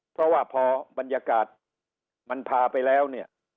เพราะว่าพอบรรยากาศมันพาไปแล้วเนี่ย